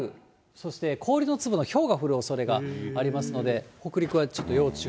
そして氷の粒のひょうが降るおそれがありますので、北陸はちょっと要注意。